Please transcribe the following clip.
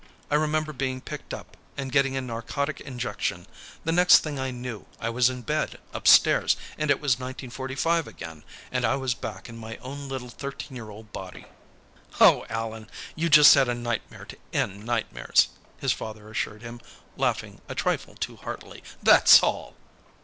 I remember being picked up, and getting a narcotic injection. The next thing I knew, I was in bed, upstairs, and it was 1945 again, and I was back in my own little thirteen year old body." "Oh, Allan, you just had a nightmare to end nightmares!" his father assured him, laughing a trifle too heartily. "That's all!"